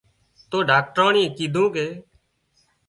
تو ڊاڪٽرانئي ڪيڌون ڪي